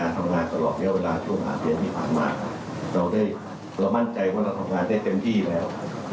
เรามั่นใจว่าเราทำงานได้เต็มที่แล้ว